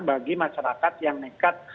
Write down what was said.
bagi masyarakat yang nekat